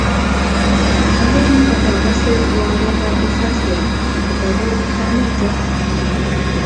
Alen katakase waget ab risasiat kotoko kamito